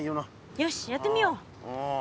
よしやってみよう！